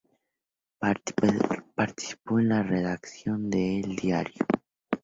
Participó en la redacción de "El Diario".